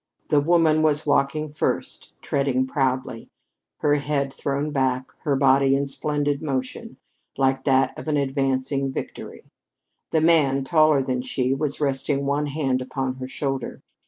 The woman was walking first, treading proudly, her head thrown back, her body in splendid motion, like that of an advancing Victory. The man, taller than she, was resting one hand upon her shoulder.